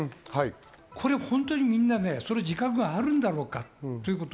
これ、本当にみんな自覚はあるんだろうかということ。